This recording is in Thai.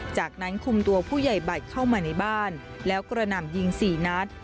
จากนั้นคุมตัวผู้ใหญ่บัตรเข้ามาในบ้านแล้วกระหน่ำยิง๔นัด